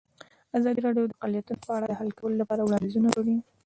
ازادي راډیو د اقلیتونه په اړه د حل کولو لپاره وړاندیزونه کړي.